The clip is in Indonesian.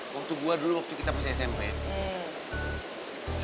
waktu gue dulu waktu kita masih smp